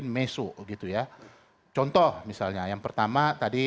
atas sebagian dari duaartment yang pernah kondisi